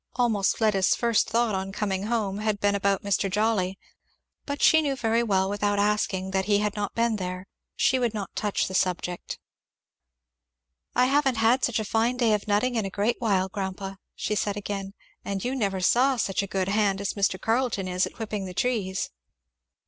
Almost Fleda's first thought on coming home had been about Mr. Jolly. But she knew very well, without asking, that he had not been there; she would not touch the subject. "I haven't had such a fine day of nutting in a great while, grandpa," she said again; "and you never saw such a good hand as Mr. Carleton is at whipping the trees."